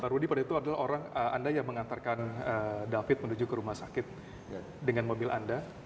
rudy pada itu adalah orang anda yang mengantarkan david menuju ke rumah sakit dengan mobil anda